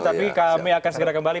tapi kami akan segera kembali